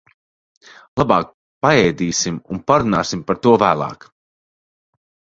Labāk paēdīsim un parunāsim par to vēlāk.